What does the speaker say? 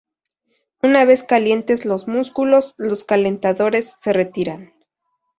Una vez calientes los músculos, los calentadores se retiran.